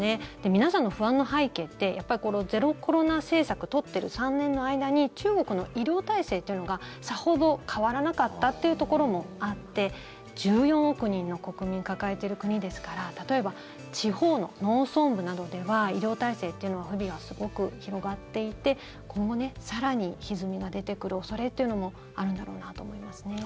皆さんの不安の背景ってゼロコロナ政策を取っている３年の間に中国の医療体制というのがさほど変わらなかったというところもあって１４億人の国民を抱えている国ですから例えば、地方の農村部などでは医療体制というのは不備がすごく広がっていて今後、更にひずみが出てくる恐れというのもあるんだろうなと思いますね。